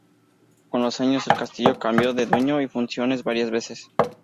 Con los años, el castillo cambió de dueño y funciones varias veces.